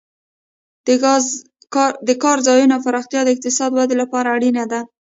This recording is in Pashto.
د کار ځایونو پراختیا د اقتصادي ودې لپاره اړینه ده.